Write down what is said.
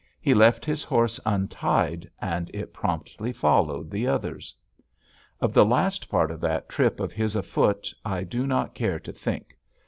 He left his horse untied, and it promptly followed the others. Of the last part of that trip of his afoot I do not care to think.